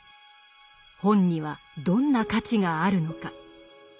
本にはどんな価値があるのか。